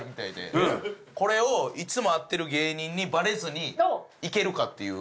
これをいつも会ってる芸人にバレずにいけるかっていう。